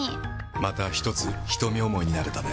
またひとつ瞳思いになれたね。